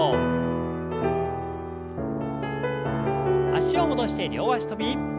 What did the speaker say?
脚を戻して両脚跳び。